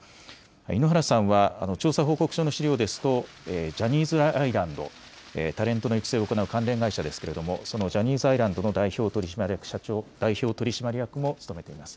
井ノ原さんは調査報告書の資料ですと、ジャニーズアイランド、タレントの育成を行う関連会社ですけれども、そのジャニーズアイランドの代表取締役も務めています。